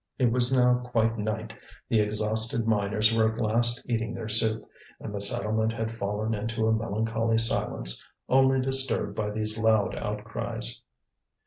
It was now quite night, the exhausted miners were at last eating their soup, and the settlement had fallen into a melancholy silence, only disturbed by these loud outcries.